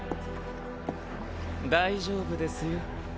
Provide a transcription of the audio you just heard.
大丈夫ですよ。